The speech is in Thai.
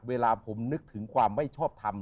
เวลาผมนึกถึงความไม่ชอบทำ